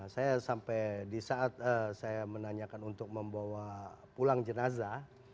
saya sampai di saat saya menanyakan untuk membawa pulang jenazah